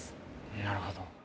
なるほど。